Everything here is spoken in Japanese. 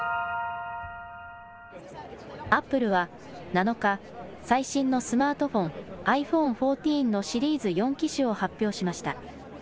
アップルは７日、最新のスマートフォン、ｉＰｈｏｎｅ１４のシリーズ４機種を発表しました。